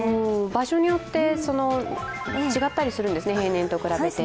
場所によって、違ったりするんですね、平年と比べて。